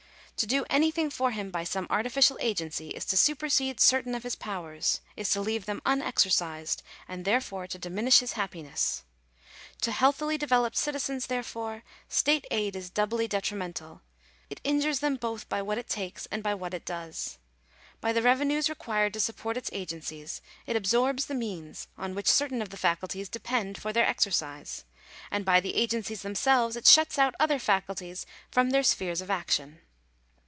To do anything for him by some artificial agency, is to supersede certain of his powers — is to leave them unexercised, and therefore to diminish his happi Digitized by VjOOQIC THE LIMIT OF STATE DUTY. 281 ness. To healthily developed citizens, therefore, state aid is doubly detrimental. It injures them both by what it takes and by what it does. By the revenues required to support its agencies it absorbs the means on which certain of the faculties depend for their exercise ; and by the agencies themselves it shuts out other faculties from their spheres of action.